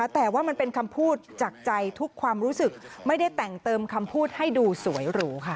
แต่ว่ามันเป็นคำพูดจากใจทุกความรู้สึกไม่ได้แต่งเติมคำพูดให้ดูสวยหรูค่ะ